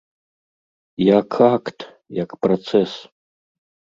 Як акт, як працэс.